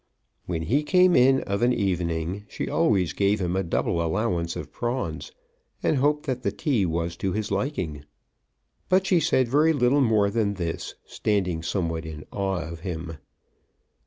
When he came in of an evening, she always gave him a double allowance of prawns, and hoped that the tea was to his liking. But she said very little more than this, standing somewhat in awe of him.